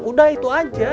udah itu aja